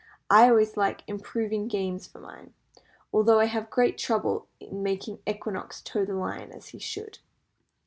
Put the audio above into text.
I always like improving games for mine, although I have great trouble in making Equinox toe the line as he should."